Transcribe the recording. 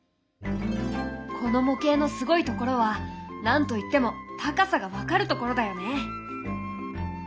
この模型のすごいところは何と言っても高さが分かるところだよね。